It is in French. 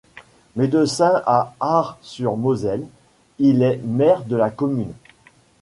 Médecin à Ars-sur-Moselle, il est maire de la commune.